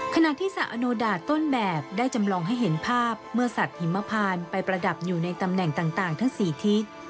ขณะที่สระอโนดาตต้นแบบได้จำลองให้เห็นภาพเมื่อสัตว์หิมพานไปประดับอยู่ในตำแหน่งต่างทั้ง๔ทิศ